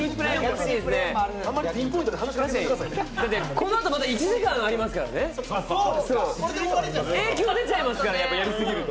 このあとまだ１時間ありますからね、影響が出ちゃいますから、やりすぎると。